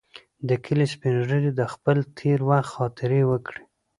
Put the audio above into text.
د کلي سپین ږیري د خپل تېر وخت خاطرې وکړې.